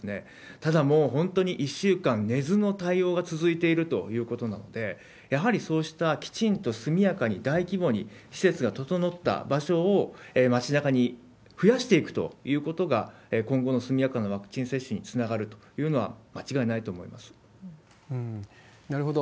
ただ、もう本当に１週間、寝ずの対応が続いているということなので、やはりそうしたきちんと速やかに大規模に、施設が整った場所を街なかに増やしていくということが、今後の速やかなワクチン接種につながるというのは、間違いないとなるほど。